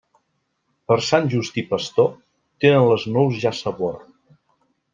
Per Sant Just i Pastor, tenen les nous ja sabor.